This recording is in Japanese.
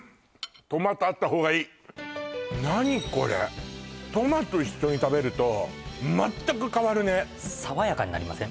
トマトあったほうがいい何これトマト一緒に食べると全く変わるね爽やかになりません？